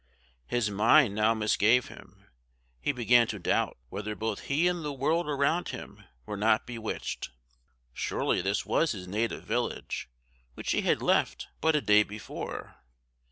His mind now misgave him; he began to doubt whether both he and the world around him were not bewitched. Surely this was his native village, which he had left but a day before.